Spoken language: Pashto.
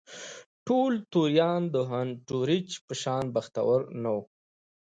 ټول توریان د هونټریج په شان بختور نه وو.